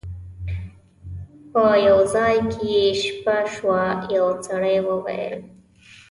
په یو ځای کې یې شپه شوه یو سړي وویل.